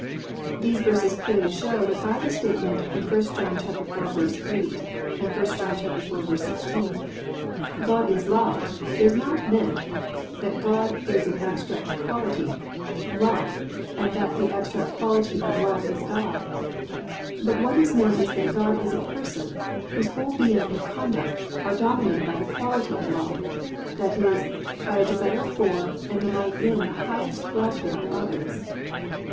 These verses clearly show that by the statement in 1 John 4:8 and 1 John 4:16, +"God is Love"+ is not meant that God is an abstract quality, "love," and that the abstract quality of love is God, but what is meant is that God is a person whose whole being and conduct are dominated by the quality of love, that is, by a desire for and delight in the highest welfare of others.